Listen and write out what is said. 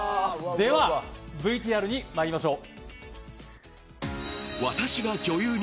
では、ＶＴＲにまいりましょう。